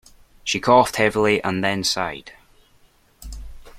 She coughed heavily and then sighed.